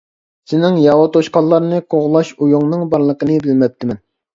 سېنىڭ ياۋا توشقانلارنى قوغلاش ئويۇڭنىڭ بارلىقىنى بىلمەپتىمەن.